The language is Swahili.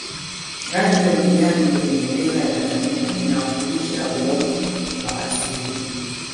rangi ya kijani kwenye bendera ya tanzania inawakilisha uoto wa asili